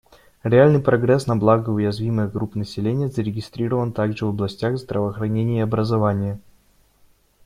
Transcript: Реальный прогресс на благо уязвимых групп населения зарегистрирован также в областях здравоохранения и образования.